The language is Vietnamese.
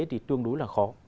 thì tương đối là khó